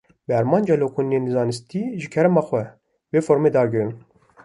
Bi armanca lêkolînên zanistî, ji kerema xwe, vê formê dagirin